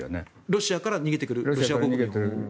ロシアから逃げてくる国民を。